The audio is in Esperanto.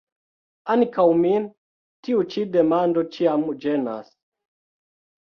Ankaŭ min tiu ĉi demando ĉiam ĝenas.